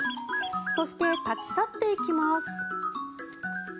そして、立ち去っていきます。